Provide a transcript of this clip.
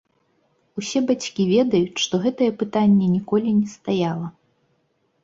Усе бацькі ведаюць, што гэтае пытанне ніколі не стаяла.